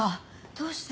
どうして？